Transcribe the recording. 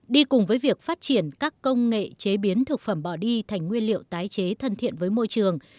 đi cùng với việc phát triển các công nghệ chế biến thực phẩm bỏ đi thành nguyên liệu tái chế thân thiện với môi trường